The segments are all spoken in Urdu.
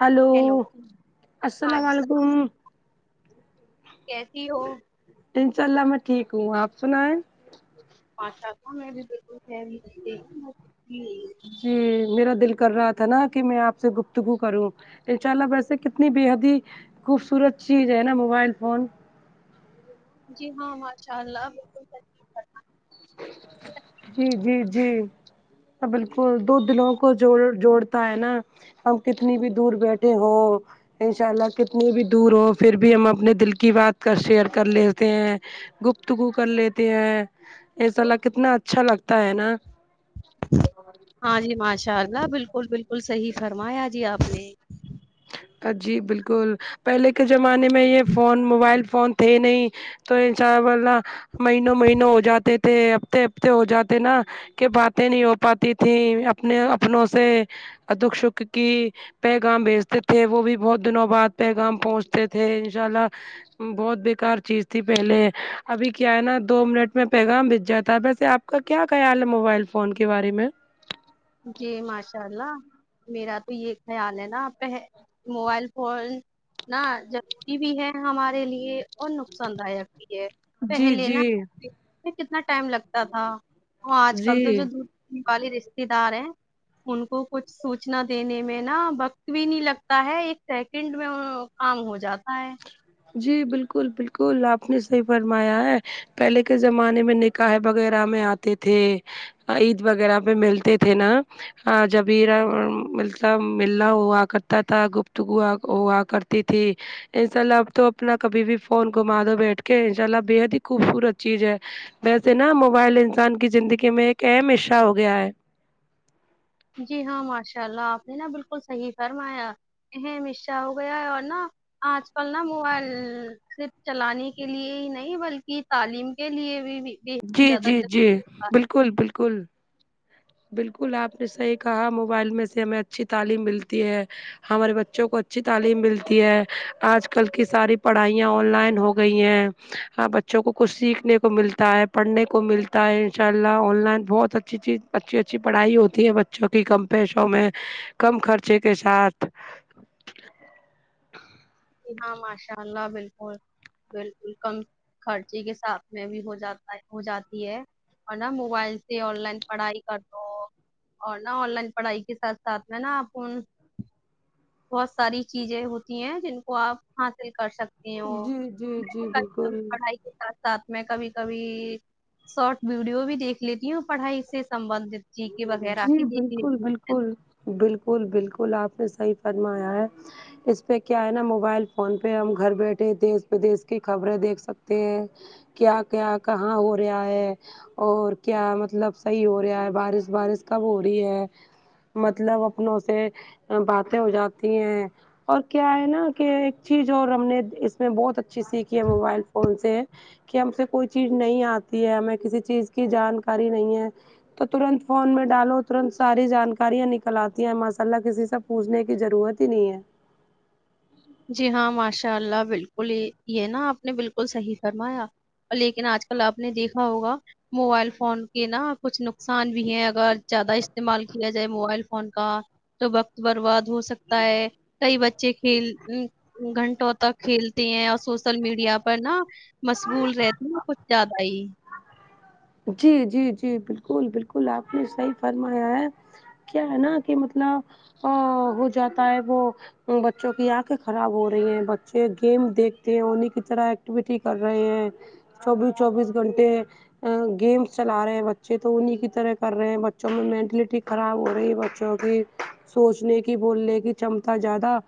ہلو ہیلو ہاں السلام جی صاحب علیکم کیسی ہو انشاء اللہ میں ٹھیک ہوں آپ سنائیں ماشاءاللہ میں بھی بالکل خیریت سے ہوں [unintelligible] ہمم میرا دل کر رہا تھا نا کی میں آپ سے گفتگو کروں ان شاء اللہ ویسے کتنی بے حد ہی خوبصورت چیز ہے نا موبائل فون جی ہاں ماشاء اللہ صحیح۔ جی جی جی بالکل دو دلوں کو جوڑ جوڑتا ہے نا ہم کتنی بھی دور بیٹھے ہو انشاء اللہ کتنی بھی دور ہو پھر بھی ہم اپنے دل کی بات کا شیئر کر لیتے ہیں گفتگو کر لیتے ہیں انشاءاللہ کتنا اچھا لگتا ہے نا ہاں جی ماشاء اللہ بالکل بالکل صحیح فرمایا جی آپ نے آ جی بالکل پہلے کے زمانے میں یے فون موبائل فون تھے نہیں تو ان چاول نہ مہینوں مہینوں ہو جاتے تھے ہفتے ہفتے ہو جاتے نا کہ باتیں نہیں ہو پاتی تھی اپنے اپنوں سے دکھ سکھ کی پیغام بیچ تھے وہ بھی بہت دنوں بعد پیغام پہنچتے تھے انشاء اللہ بہت بیکار چیز تھی پہلے ابھی کیا ہے نا دو منٹ میں پیغام بج جاتا ویسے آپ کا کیا خیال ہے موبائل فون کے بارے میں جی ماشاء اللہ میرا تو یے خیال ہے نا آپ پہے موبائل فون نہ ضروری بھی ہے ہمارے لیے اور نقصان دایک بھی ہے جی پہلے نہ جی کتنا ٹائم لگتا تھا وہ آج کل تو جی جو [unintelligible] والے رشتتے دار ہیں ان کو کچھ سوچنا دینے میں نہ وقت بھی نہیں لگتا ہے ایک سیکنڈ میں کام ہو جاتا ہے جی بالکل بالکل آپ نے صحیح فرمایا ہے پہلے کے زمانے میں نکاح وغیرہ میں آتے تھے عید وغیرہ پے ملتے تھے نا ہاں جبیرا مطلب مل نہ ہوا کرتا تھا گفتگو ہوا کر تی تھی انشاء اللہ اب تو اپنا کبھی بھی فون گھما دو بیٹھکے انشاء اللہ بے حد ہی خوبصورت چیز ہے ویسے نا موبائل انسان کی زندگی میں ایک اہم حصہ ہو گیا ہے جی ہاں ماشاء اللہ آپ نے نا بالکل صحیح فرمایا اہم حصہ ہو گیا ہے اور نا آج کل نا موبائل صرف چلانے کے لیے ہی نہیں بلکی تعلیم کے لیے بھی بھی بے حد جی زیادہ جی جی ضروری ہوتا بالکل بالکل بالکل آپ نے صحیح کہا موبائل میں سے ہمیں اچھی تعلیم ملتی ہے ہمارے بچوں کو اچھی تعلیم ملتی ہے آج کل کی ساری پڑھائیاں آن لائن ہو گئی ہیں ہاں بچوں کو کچھ سیکھنے کو ملتا ہے پڑھنے کو ملتا ہے انشاء اللہ آن لائن بہت اچھی چیز اچھی اچھی پڑھائی ہوتی ہے بچوں کی کم پیسوں میں کم خرچے کے ساتھ جی ہاں ماشاء اللہ بالکل بالکل کم خرچے کے ساتھ میں بھی ہو جاتا ہے ہو جاتی ہے اور نا موبائل سے آن لائن پڑھائی کر لو اور نا آن لائن پڑھائی کے ساتھ ساتھ میں نا آپ ان بہت ساری چیزیں ہوتی ہیں جن کو آپ حاصل کر سکتے تے ہو جی جی جی بالکل [unintelligible] پڑھائی کے ساتھ ساتھ میں کبھی کبھی شارٹ ویڈیو بھی دیکھ لیتی ہوں پڑھائی سے سمبندھت چی کے وغیرہ جی بالکل [unintelligible] بالکل بالکل بالکل آپ نے صحیح فرمایا ہے اس پے کیا ہے نا موبائل فون پے ہم گھر بیٹھے دیش ودیش کی خبریں دیکھ سکتے ہیں کیا کیا کہاں ہو رہا ہے اور کیا مطلب صحیح ہو رہا ہے بارش وبارش کب ہو رہی ہے مطلب اپنوں سے باتیں ہو جاتی ہیں اور کیا ہے نا کہ ایک چیز اور ہم نے اس میں بہت اچھی سیکھی ہے موبائل فون سے کی ہم سے کوئی چیز نہیں آتی ہے ہمیں کسی چیز کی جانکاری نہیں ہے تو ترنت فون میں ڈالو ترنت ساری جانکاریاں نکل آتی ہیں ماشاء اللہ کسی سے پوجنے کی ضرورت ہی نہیں ہے جی ہاں ماشاء اللہ بالکل یے نا آپ نے بالکل صحیح فرمایا اور لیکن آج کل آپ نے دیکھا ہوگا موبائل فون کے نا کچھ نقصان بھی ہے اگر زیادہ استعمال کیا جائے موبائل فون کا تو وقت برباد ہو سکتا ہے کئی بچے کھیل گھنٹوں تک کھیلتے ہیں اور سوشل میڈیا پر نا مشغول رہتے ہے کچھ زیادہ ہی جی جی جی بالکل بالکل آپ نے صحی فرمایا ہے کیا ہے نا کی مطلب ہاں ہو جاتا ہے وہ بچوں کی آنکھیں خراب ہو رہی ہیں بچے گیم دیکھتے ہیں انہی کی طرح ایکٹیویٹی کر رہے ہیں چوبیس چوبیس گھنٹے گیمس چلا رہے ہیں بچے تو انہیں کی طرح کر رہے ہیں بچوں میں مینٹلٹی خراب ہو رہی ہے بچوں نے سوچنے کی بولنے کی چمتا زیادہ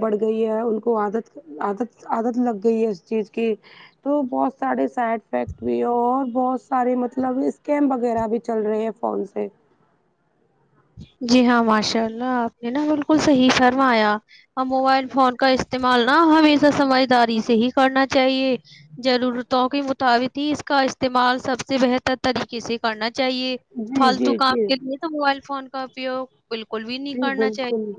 بڑھ گئی ہے ان کو عادت عادت عادت لگ گئی ہے اس چیز کی تو بہت سارے سائڈ افیکٹ بھی ہے اور بہت سارے مطلب اسکیم وغیرہ بھی چل رہے ہے فون سے جی ہاں ماشاء اللہ آپ نے نا بالکل صحیح فرمایا موبائل فون کا استعمال نا ہمیشہ سمجھداری سے ہی کرنا چاہیے ضرورتوں کے مطابق ہی اس کا استعمال سب سے بہتر طریقے سے کرنا چاہیے جی فالتو جی کام جی کے لیے تو موبائل فون کا اپیوگ بالکل بھی نہیں جی کرنا بالکل چاہیے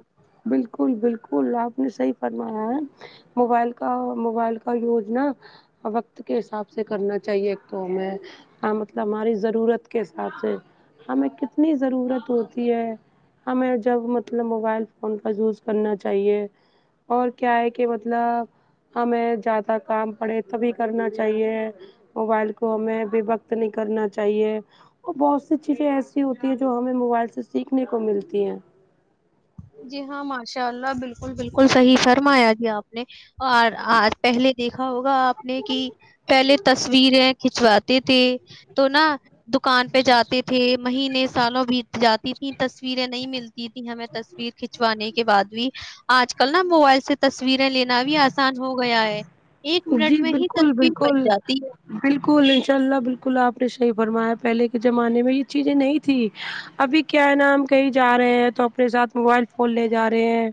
بالکل بالکل آپ نے صحیح فرمایا ہے موبائل کا موبائل کا یوز نہ وقت کے حساب سے کرنا چاہیے ایک تو ہمیں ہاں مطلب ہماری ضرورت کے حساب سے ہمیں کتنی ضرورت ہوتی ہے ہمیں جب مطلب موبائل فون کا یوز کرنا چاہیے اور کیا ہے کی مطلب ہمیں زیادہ کام پڑے تبھی کرنا چاہیے موبائل کو ہمیں بے وقت نہیں کرنا چاہیے اور بہت سی چیزیں ایسی ہوتی ہیں جو ہمیں موبائل سے سیکھنے کو ملتی ہیں جی ہاں ماشاء اللہ بالکل بالکل صحیح فرمایا جی آپ نے اور آج پہلے دیکھا ہوگا آپ نے کی پہلے تصویریں کھنچواتے تھے تو نا دکان پے جاتے تھے مہینے سالوں بیت جاتی تھی تصویریں نہیں مل تی تھی ہمیں تصویر کھنچوانے کے بعد بھی آج کل نا موبائل سے تصویریں لینا بھی آسان ہو گیا ہے ایک منٹ جی میں ہی بالکل تصویر بن بالکل جاتی ہے بالکل انشاء اللہ بالکل آپ نے صحیح فرمایا پہلے کے زمانے میں یے چیزیں نہیں تھی ابھی کیا ہے نا ہم کہیں جا رہے ہیں تو اپنے ساتھ موبائل فون لے جا رہے ہیں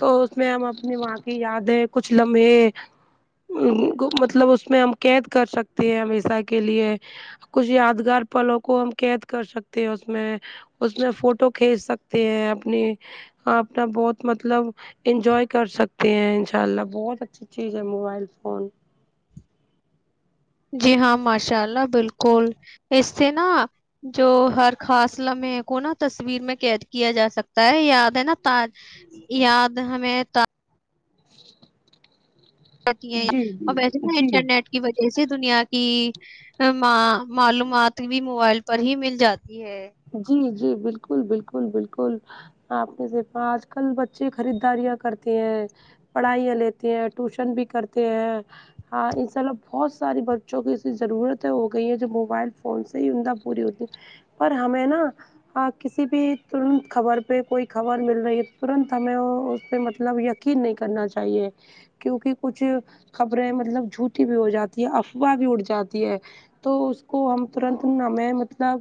تو اس میں ہم اپنی ماں کی یادیں کچھ لمحے مطلب اس میں ہم قید کر سکتے ہیں ہمیشہ کے لیے کچھ یادگار پلوں کو ہم قید کر سکتے ہیں اس میں اس میں فوٹو کھینچ سکتے ہیں اپنی اپنا بہت مطلب انجوائ کر سکتے ہیں ان شاء اللہ بہت اچھی چیز ہے موبائل فون جی ہاں ماشاء اللہ بالکل اس سے نا جو ہر خاص لمحے کو نا تصویر میں قید کیا جا سکتا ہے یاد ہے نا [unintelligible] یاد ہمیں تا رہتی ہیں جی اور ویسے نا جی جی انٹرنیٹ کی وجہ سے دنیا کی تمام معلومات بھی موبائل پر ہی مل جاتی ہے جی جی بالکل بالکل بالکل آپ نے دیھکا آج کل بچے خریداریاں کرتے ہیں پڑھائیاں لیتے ہیں ٹیوشن بھی کرتے ہیں ہاں انشاء اللہ بہت ساری بچوں کی ایسی ضرورتیں ہو گئی ہیں جو موبائل فون سے ہی اندا پوری ہوتی پر ہمیں نا ہاں کسی بھی ترنت خبر پے کوئی خبر مل رہی ہے ترنت ہمیں وہ اس پے مطلب یق قین نہیں کرنا چاہیے کیونکی کچھ خبریں مطلب جھوٹی بھی ہو جاتی ہے افواہ بھی اڑ جاتی ہے تو اس کو ہم ترنت ہمیں مطلب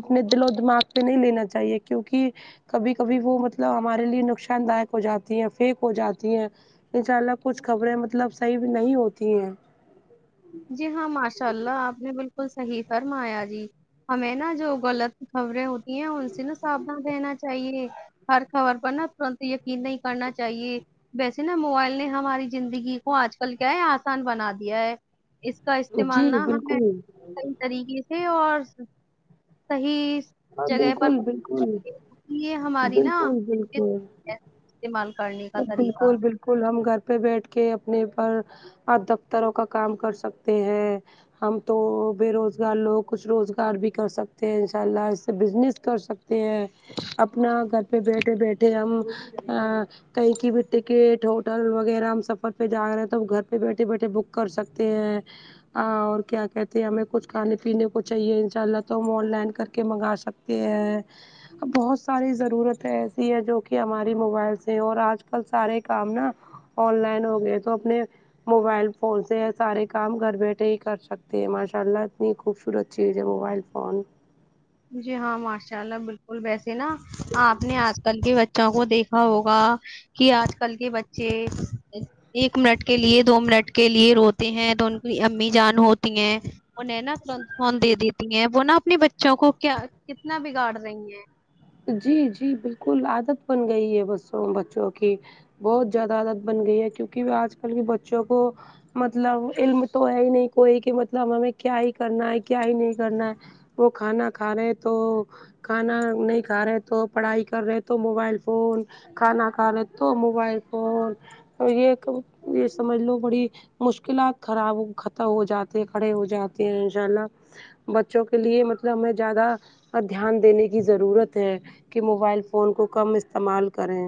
اپنے دل و دماغ پے نہیں لینا چاہیے کیونکی کبھی کبھی وہ مطلب ہمارے لیے نقصان دائک ہو جاتی ہیں فیک ہو جاتی ہیں ان شاء اللہ کچھ خبریں مطلب صحیح بھی نہیں ہوتی ہیں جی ہاں ماشاء اللہ آپ نے بالکل صحیح فرمایا جی ہمیں نا جو غلط خبریں ہوتی ہیں ان سے نا سافدھان رہنا چاہیے ہر خبر پر نا ترنت یقین نہیں کرنا چاہیے ویسے نا موبائل نے ہماری زندگی کو آج کل کیا ہے آسان بنا دیا ہے اس کا جی استعمال نہ ہمیں بالکل صحیح طریقے سے اور صحیح ہاں جگہ پر بالکل کرنا بالکل چاہیے۔ یہ ہماری نا بالکل بالکل استعمال کرنے کا بالکل طریقہ بالکل کل ہم گھر پہ بیٹھ کے اپنے پر دفتروں کا کام کر سکتے ہیں ہم تو بے روزگار لوگ کچھ روزگار بھی کر سکتے ہیں ان شاء اللہ بزنس کر سکتے ہیں اپنا گھر پہ بیٹھے بیٹھے ہم کہیں کی بھی ٹکٹ ہوٹل وغیرہ ہم سفر پہ جا رہے ہیں تو ہم گھر پہ بیٹھے بیٹھے بک کر سکتے ہیں ہ اور کیا کہتے ہیں ہمیں کچھ کھان پینے کو چاہیے انشاء اللہ تو ہم آن لائن کر کے منگا سکتے [unintelligible] ا بہت ساری ضرورت ایسی ہے جو کہ ہماری موبائل سے ہے اور آج کل سارے کام نا آن لائن ہو گئے تو اپنے موبائل فون سے سارے کام گھر بیٹھے ہی کر سکتے ہیں ماشاء اللہ اتنی خوبصورت چیزیں موبائل فون جی ہاں ماشاء اللہ بالکل ویسے نا آپ نے آج کل کے بچوں کو دیکھا ہوگا کہ آج کل کے بچے ایک منٹ کے لیے دو منٹ کے لیے روتے ہیں تو ان کی امی جان ہوتی ہیں انہیں نا فون دے دیتی ہیں وہ نا اپنے بچوں کو کیا کتنا بگاڑ رہی ہیں جی جی بالکل عادت بن گئی ہے بسوں بچوں کی بہت زیادہ عادت بن گئی ہے کیونکہ آج کل کے بچوں کو مطلب علم تو ہے ہی نہیں کوئی کہ مطلب ہمیں کیا ہی کرنا ہے کیا ہی نہیں کرنا ہے وہ کھانا کھا رہے تو کھانا نہیں ک جا رہے تو پڑھائی کر رہے تو موبائل فون کھانا کھا رہے تو موبائل فون اور یہ ک یہ سمجھ لو بڑی مشکلات خراب ختم ہو جاتے کھڑے ہو جاتے ہیں انشاء اللہ بچوں کے لیے مطلب ہمیں زیادہ دھیان دینے کی ضرورت کہ موبائل فون کو کم استعمال کریں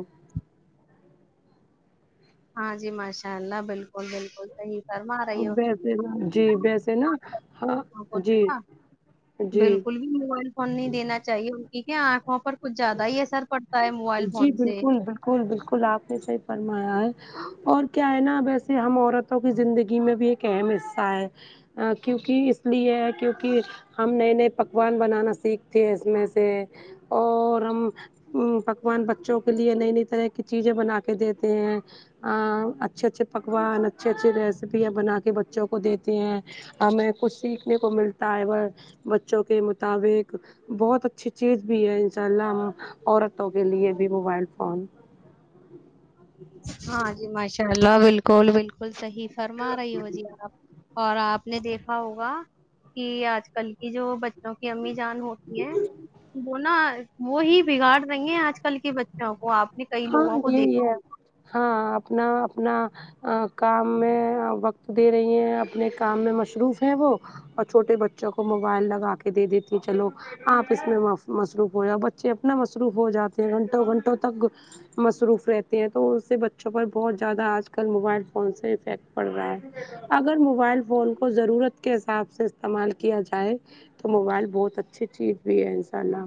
ہاں جی ماشاء اللہ بالکل بالکل صحیح فرما رہی ہو ویسے نا جی ویسے نا ہاں بچوں کو جی نا جی بالکل موبائل فون نہیں دینا چاہیے ان کی کہ آنکھوں پر کچھ زیادہ ہی اثر پڑتا ہے موبائل فون سے اسکل بالکل آپ نے صحی فرمایا ہے اور کیا ہے نا ویسے ہم عورتوں کی زندگی میں بھی ایک اہم حصہ ہے کیونکہ اس لیے کیونکہ ہم نئے نئے پکوان بنانا سیکھتے ہیں اس میں سے اور ہم امم پکوان بچوں کے لیے نئی نئی طرح کی چیزیں بنا کے دیتے ہیں ا اچھے اچھے پکوان اچھے اچھے ریسپیاں بنا کے بچوں کو دیتے ہیں ہمیں کچھ سیکھنے کو ملتا ہے وہ بچوں کے مطابق بہت اچھی چیز بھی ہے ان شاء اللہ اور کے لیے بھی موبائل فون ہاں جی ماشاء اللہ بالکل بالکل صحیح فرما رہی ہو جی آپ اور آپ نے دیکھا ہوگا کہ آج کل کی جو بچ کیوںک امی جان ہوتی ہیں وہ نا وہ ہی بگاڑ رہی ہیں آج کل کے بچوں کو آپ نے کئی ہاں لوگوں کو یہ یہ دیکھا ہو ہاں اپنا اپنا کام میں وقت دے رہی ہیں اپنے کام میں مصروف ہے وہ اور چھوٹے بچوں کو موبائل لگا کے دے دیتی ہے چلو آپ اس میں مصروف ہو ج بچے اپنا مصروف ہو جاتے ہیں گھنٹوں گھنٹوں تک مصروف رہتے ہیں تو اس سے بچوں پر بہت زیادہ آج کل موبائل فون سے افیکٹ پڑ رہا ہے اگر موبائل فون کو ضرورت کے حساب سے استعمال کیا جائے تو موبائل بہت اچھی چیز بھی ہے انساء اللہ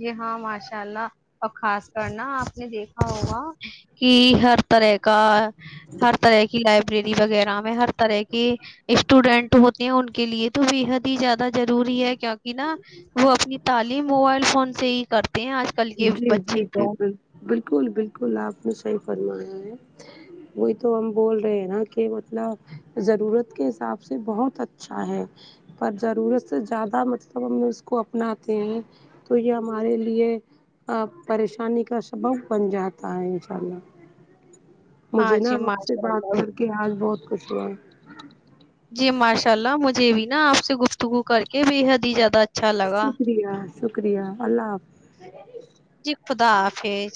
جی ہاں ماشاء اللہ اور خاص کرنا آپ نے دیکھا ہوگا کہ ہر طرح کا ہر طرح کی لائبریری وغیرہ میں ہر طرح کے اسٹوڈینٹ ہو ان کے لیے تو بے حد ہی زیادہ ضروری ہے کیونکی نا وہ اپنی تعلیم موبائل فون سے ہی کرتے ہیں آج کل کے جی جی بچے جی تو بال بالکل بالکل آپ نے صحی فرمایا ہے وہی تو ہم بول رہے ہیں نا کہ مطلب ضرورت کے حساب سے بہت اچھا ہے پر ضرورت سے زیادہ مطلب ہم اس کو اپناتے ہیں تو یہ ہمارے لیے پریشانی کا سبب بن جاتا ہے انشاء اللہ ہاں مجھے نا جی آپ سے ماشاء بات اللہ کر کے آج بہت کچ ہوا جی ماشاء اللہ مجھے بھی نا آپ سے گفتگو کر کے بے حد ہی زیادہ اچا شکریہ شکریہ اللہ حافظ جی خدا حافظ